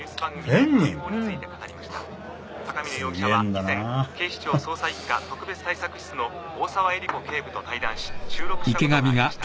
以前警視庁捜査一課特別対策室の大澤絵里子警部と対談し収録したことがありました。